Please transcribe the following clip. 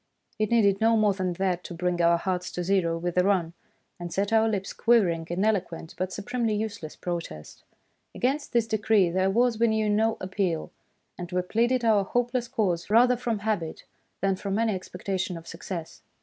" It needed no more than that to bring our hearts to zero with a run, and set our lips quivering in eloquent but supremely useless protest. Against this decree there was, we knew, no appeal ; and we pleaded our hopeless cause rather from habit than from any expectation of success.